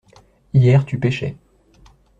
Hier tu pêchais.